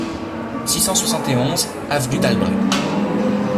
six cent soixante et onze avenue d'Albret